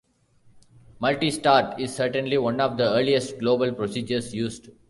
Multistart is certainly one of the earliest global procedures used.